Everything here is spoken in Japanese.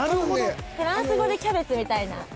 フランス語で「キャベツ」みたいな。